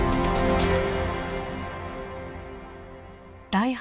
第８